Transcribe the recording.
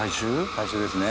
最終ですね。